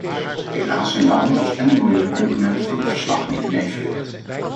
Helaas zijn de handels- en de milieucomponent van het verslag niet in evenwicht.